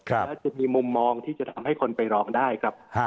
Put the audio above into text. แล้วจะมีมุมมองที่จะทำให้คนไปร้องได้ครับ